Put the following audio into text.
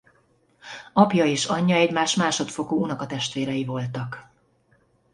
Apja és anyja egymás másodfokú unokatestvérei voltak.